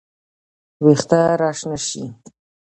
وېښته راشنه شي